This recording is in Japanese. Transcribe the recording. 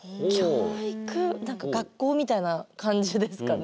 何か学校みたいな感じですかね？